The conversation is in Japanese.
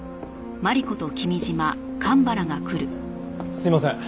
すいません。